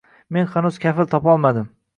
Men hanuz kafil topolmadim.